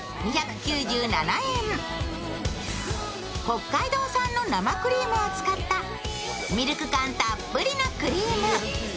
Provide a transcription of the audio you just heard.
北海道産の生クリームを使ったミルク感たっぷりのクリーム。